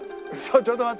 ちょっと待って。